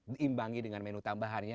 diimbangi dengan menu tambahannya